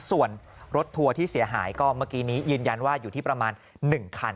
ส่วนรถทัวร์ที่เสียหายก็เมื่อกี้นี้ยืนยันว่าอยู่ที่ประมาณ๑คัน